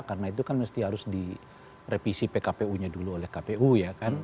karena itu kan mesti harus direvisi pkpu nya dulu oleh kpu ya kan